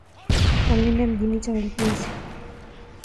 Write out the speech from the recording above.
Ameenda mjini tangu juzi.